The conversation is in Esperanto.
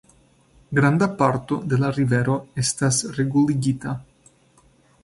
Granda parto de la rivero estas reguligita.